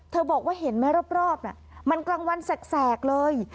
บอกว่าเห็นไหมรอบน่ะมันกลางวันแสกเลย